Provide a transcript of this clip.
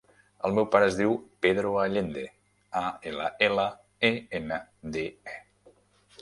El meu pare es diu Pedro Allende: a, ela, ela, e, ena, de, e.